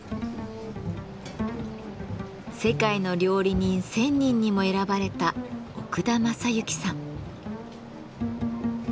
「世界の料理人１，０００人」にも選ばれた奥田政行さん。